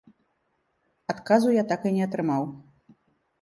Адказу я так і не атрымаў.